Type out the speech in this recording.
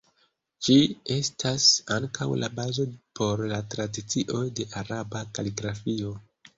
Ĝi estas ankaŭ la bazo por la tradicio de Araba kaligrafio.